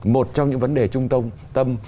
một trong những vấn đề trung tâm